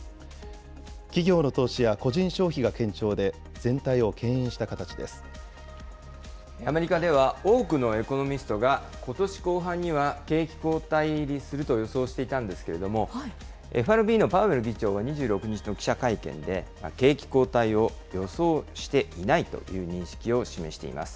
企業の投資や個人消費が堅調で、アメリカでは多くのエコノミストが、ことし後半には景気後退入りすると予想していたんですけれども、ＦＲＢのパウエル議長は２６日の記者会見で、景気後退を予想していないという認識を示しています。